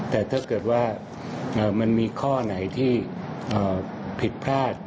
แต่ถ้าเกิดว่ามันมีข้อไหนที่ผิดพลาด